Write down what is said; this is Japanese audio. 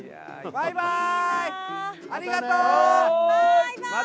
バイバーイ！